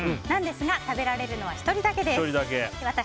なんですが、食べられるのは１人だけです。